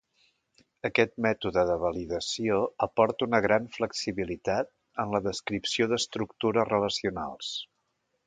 Aquest mètode de validació aporta una gran flexibilitat en la descripció d'estructures relacionals.